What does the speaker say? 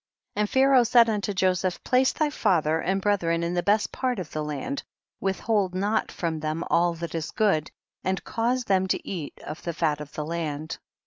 22. And Pharaoli said unto Jo seph, place thy father and brethren in the best part of the land, withhold not from them all that is good, and cause them to eat of the fat of the land.